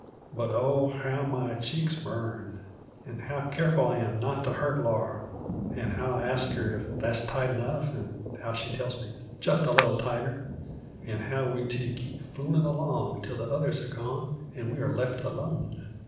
But, oh, how my cheeks burn! And how careful I am not to hurt Laura, an' how I ask her if that's 'tight enough,' an' how she tells me 'jist a little tighter,' and how we two keep foolin' along till the others hev gone an' we are left alone!